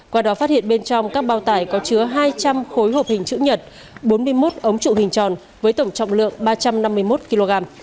qua đó phát hiện bên trong các bao tải có chứa hai trăm linh khối hộp hình chữ nhật bốn mươi một ống trụ hình tròn với tổng trọng lượng ba trăm năm mươi một kg